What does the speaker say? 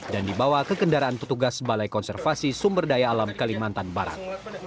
dan dibawa ke kendaraan petugas balai konservasi sumberdaya alam kalimantan barat